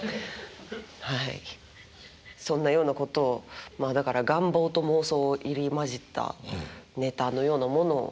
はいそんなようなことをまあだから願望と妄想を入り交じったネタのようなものを。